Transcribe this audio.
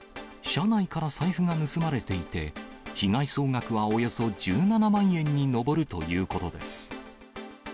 車内から財布が盗まれていて、被害総額はおよそ１７万円に上るということです。